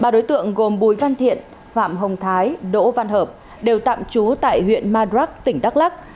ba đối tượng gồm bùi văn thiện phạm hồng thái đỗ văn hợp đều tạm trú tại huyện madrak tỉnh đắk lắc